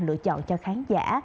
lựa chọn cho khán giả